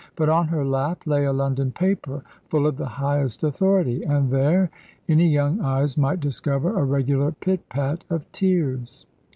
But on her lap lay a London paper, full of the highest authority; and there any young eyes might discover a regular pit pat of tears.